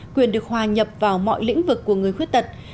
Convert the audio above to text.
quyền được hòa nhập vào mọi lĩnh vực của người khuyết tật